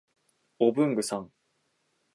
文具